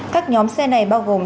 các nhóm xe này bao gồm